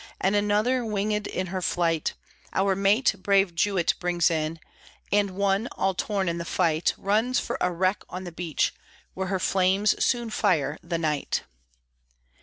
And another, winged in her flight, Our mate, brave Jouett, brings in; And one, all torn in the fight, Runs for a wreck on the beach, Where her flames soon fire the night.